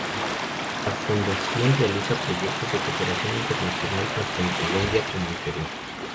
La fundación realiza proyectos de Cooperación Internacional tanto en Colombia como en Perú.